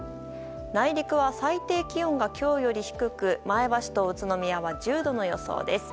内陸は最低気温が今日より低く前橋と宇都宮は１０度の予想です。